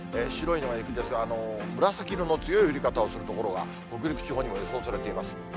白いのが雪ですが、紫色の強い降り方をする所が北陸地方で予想されています。